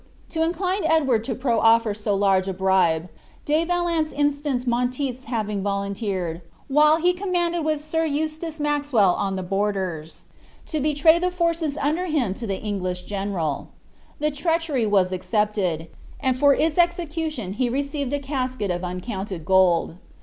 To incline Edward to the proffer of so large a bribe, De Valence instanced Monteith's having volunteered, while he commanded with Sir Eustace Maxwell on the borders, to betray the forces under him to the English general. The treachery was accepted; and for its execution he received a casket of uncounted gold.